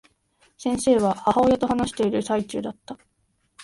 先生は、母親と話している最中だった。